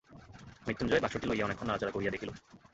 মৃত্যুঞ্জয় বাক্সটি লইয়া অনেকক্ষণ নাড়াচাড়া করিয়া দেখিল।